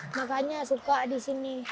makanya suka di sini